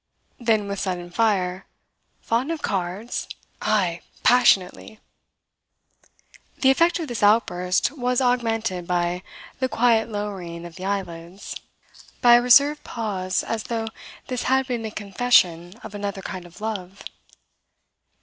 Then, with sudden fire: "Fond of cards? Ay, passionately!" The effect of this outburst was augmented by the quiet lowering of the eyelids, by a reserved pause as though this had been a confession of another kind of love.